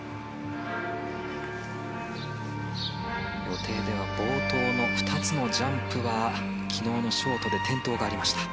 予定では冒頭の２つのジャンプは昨日のショートで転倒がありました。